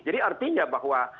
jadi artinya bahwa